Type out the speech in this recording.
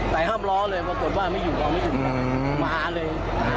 ห้ามล้อเลยปรากฏว่าไม่อยู่เราไม่อยู่มาเลย